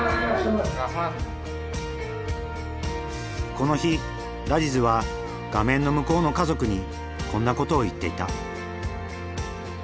この日ラジズは画面の向こうの家族にこんなことを言っていた。